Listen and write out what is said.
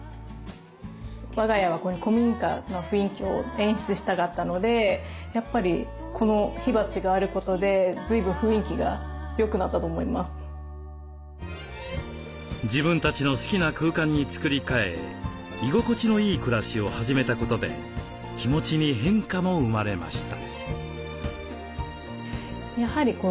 我が家は古民家の雰囲気を演出したかったので自分たちの好きな空間に作り替え居心地のいい暮らしを始めたことで気持ちに変化も生まれました。